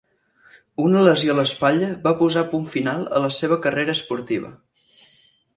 Una lesió a l'espatlla va posar punt final a la seva carrera esportiva.